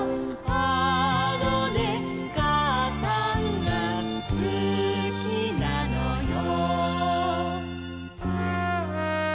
「あのねかあさんがすきなのよ」